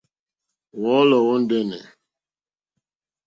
Wɔ̌lɔ̀ wɔ̀ ndɛ́nɛ̀.